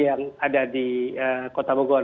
yang ada di kota bogor